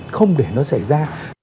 không để nó xảy ra